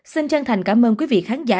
xin chân thành cảm ơn quý vị khán giả